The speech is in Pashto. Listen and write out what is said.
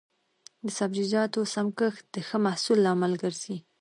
د سبزیجاتو سم کښت د ښه محصول لامل ګرځي.